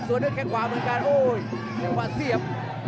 สวนด้วยแค่งขวาเหมือนกันโอ้โหเสียบ